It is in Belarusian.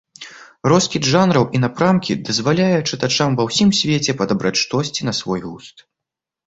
Роскід жанраў і напрамкі дазваляе чытачам ва ўсім свеце падабраць штосьці на свой густ.